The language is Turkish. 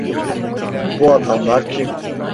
Bu adamlar kim?